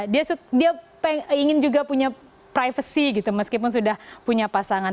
dia ingin juga punya privacy gitu meskipun sudah punya pasangan